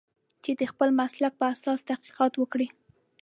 چې د خپل مسلک په اساس تحقیقات وکړي.